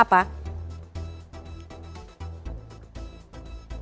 berita terkini mengenai kesehatan di jawa tenggara